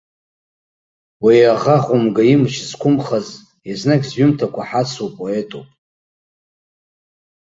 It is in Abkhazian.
Уи аӷа хәымга имч зқәымхаз, еснагь зҩымҭақәа ҳацу поетуп.